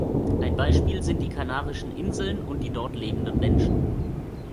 Ein Beispiel sind die Kanarischen Inseln und die dort lebenden Menschen.